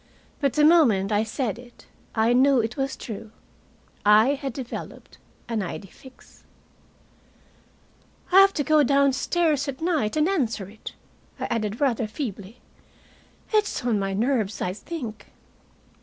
But the moment I said it I knew it was true. I had developed an idee fixe. "I have to go downstairs at night and answer it," I added, rather feebly. "It's on my nerves, I think."